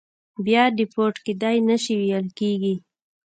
بیا دیپورت کېدای نه شي ویل کېږي.